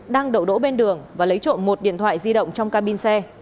đang đậu đỗ bên đường và lấy trộm một điện thoại di động trong cabin xe